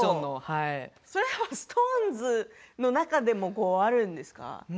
ＳｉｘＴＯＮＥＳの中でもあるんですか？